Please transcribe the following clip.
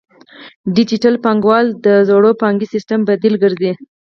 ډیجیټل بانکوالي د زوړ بانکي سیستم بدیل ګرځي.